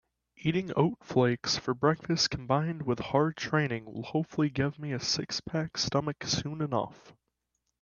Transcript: Eating oat flakes for breakfast combined with hard training will hopefully give me a six-pack stomach soon enough.